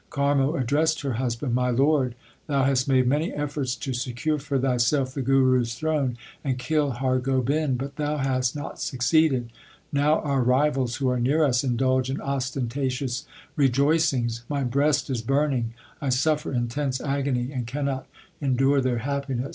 Karmo addressed her husband : My lord, thou hast made many efforts to secure for thyself the Guru s throne and kill Har Gobind, but thou hast not succeeded. Now our rivals who are near us indulge in ostentatious rejoicings. My breast is burning, I suffer intense agony and cannot endure their happiness.